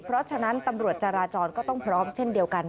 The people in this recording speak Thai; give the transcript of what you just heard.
เพราะฉะนั้นตำรวจจราจรก็ต้องพร้อมเช่นเดียวกัน